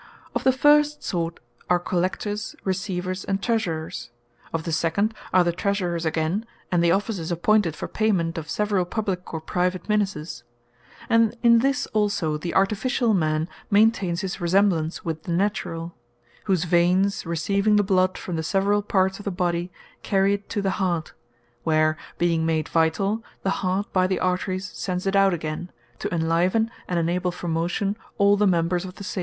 Of the first sort, are Collectors, Receivers, and Treasurers; of the second are the Treasurers againe, and the Officers appointed for payment of severall publique or private Ministers. And in this also, the Artificiall Man maintains his resemblance with the Naturall; whose Veins receiving the Bloud from the severall Parts of the Body, carry it to the Heart; where being made Vitall, the Heart by the Arteries sends it out again, to enliven, and enable for motion all the Members of the same.